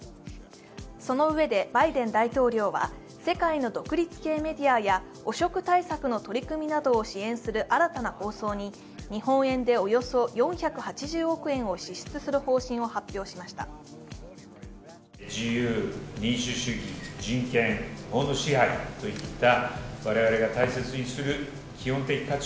そのうえでバイデン大統領は世界の独立系メディアや汚職対策の取り組みなどを支援する新たな構想に、日本円でおよそ４８０億円を支出する方針を発表しました。